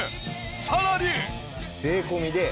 さらに。